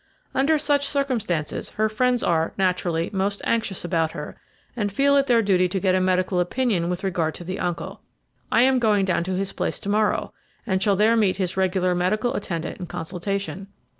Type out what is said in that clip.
Under such circumstances, her friends are, naturally, most anxious about her, and feel it their duty to get a medical opinion with regard to the uncle. I am going down to his place to morrow, and shall there meet his regular medical attendant in consultation."